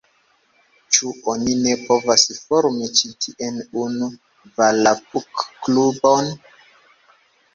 Ĉu oni ne povas formi ĉi tien unu volapuk-klubon?